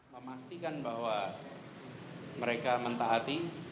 memastikan bahwa mereka mentah hati